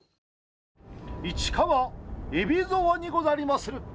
市川海老蔵にござりまする。